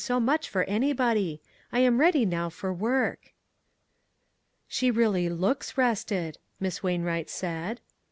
3/1 so much for anybody. I am ready now for work." "She really looks rested," Miss Wain wright said.